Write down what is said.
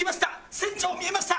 船長見えました！